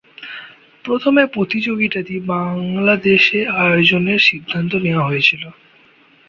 প্রথমে প্রতিযোগিতাটি বাংলাদেশে আয়োজনের সিদ্ধান্ত নেয়া হয়েছিলো।